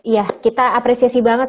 ya kita apresiasi banget